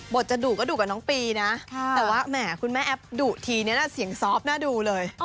จะดุก็ดุกับน้องปีนะแต่ว่าแหมคุณแม่แอปดุทีนี้เสียงซอฟต์น่าดูเลย